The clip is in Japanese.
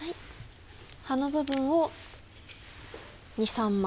葉の部分を２３枚。